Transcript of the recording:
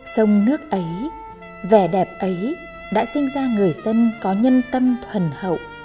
sông nước ấy vẻ đẹp ấy đã sinh ra người dân có nhân tâm thần hậu